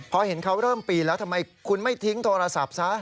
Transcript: พอเห็นเขาเริ่มปีนแล้วทำไมคุณไม่ทิ้งโทรศัพท์ซะ